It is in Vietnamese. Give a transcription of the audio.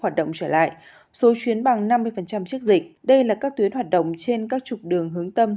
hoạt động trở lại số chuyến bằng năm mươi trước dịch đây là các tuyến hoạt động trên các trục đường hướng tâm